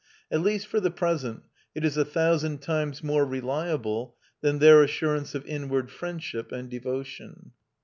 At least for the present, it is a thousand times more reliable than their assurance of inward friendship and devotion.